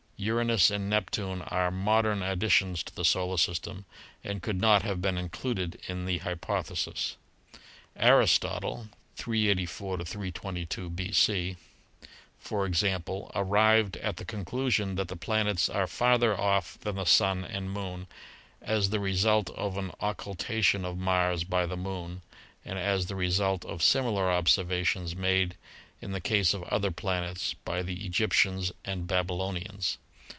Uranus and Neptune are modern additions to the solar system and could not have been included in the hypothesis. Aristotle (384 322 B.C.), for example, arrived at the conclusion that the planets are farther off than the Sun and Moon as the result of an oc cupation of Mars by the Moon and as the result of similar observations made in the case of other planets by the Egyptians and Babylonians.